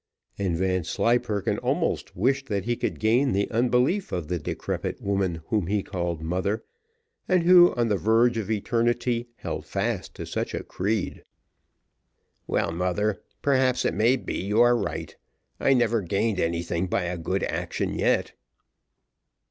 And Vanslyperken almost wished that he could gain the unbelief of the decrepit woman whom he called mother, and who, on the verge of eternity, held fast to such a creed. "Well, mother, perhaps it may be you are right I never gained anything by a good action yet."